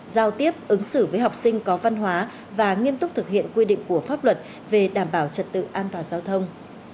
giao tiếp ứng xử với học sinh có văn hóa và nghiêm túc thực hiện quy định của pháp luật về đảm bảo trật tự an toàn giao thông